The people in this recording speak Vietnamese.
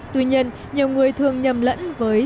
tuy nhiên nhiều người thường nhầm lẫn với